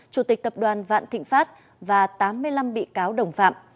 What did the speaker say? chủ tịch tập đoàn vạn thịnh pháp và tám mươi năm bị cáo đồng phạm